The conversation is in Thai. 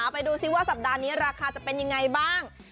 ไปดูซิว่าสัปดาห์นี้ราคาจะเป็นยังไงบ้าง